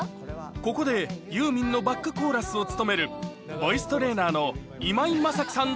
ここでユーミンのバックコーラスを務めるボイストレーナーの今井マサキさん